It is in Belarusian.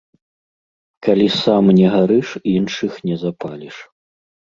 Калі сам не гарыш, іншых не запаліш.